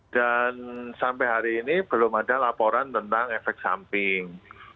dan sampai hari ini belum ada laporan tentang efek samping